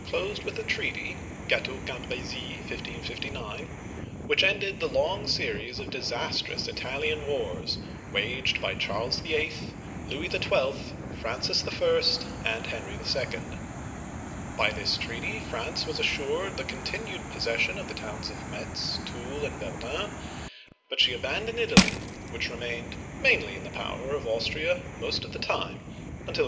closed with a treaty (Cateau Cambr^sis, 1559) which ended the long series of disastrous Italian Wars waged by Charles VIII., Louis XII., Fran cis L, and Henry 11. By this treaty France was assured the continued possession of the towns of Metz, Toul, and Verdun ; but she abandoned Italy, which remained mainly in the power of Austria most of the time tmtil 1859.